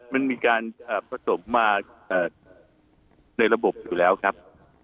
มันมีการผสมมาในระบบอยู่แล้วครับ